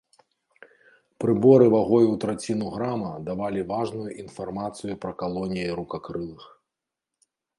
Прыборы вагой у траціну грама давалі важную інфармацыю пра калоніі рукакрылых.